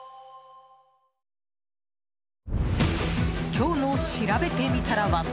今日のしらべてみたらは。